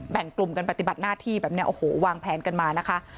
งกลุ่มกันปฏิบัติหน้าที่แบบนี้โอ้โหวางแผนกันมานะคะ